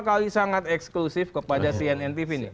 dua kali sangat eksklusif kepada cnn tv ini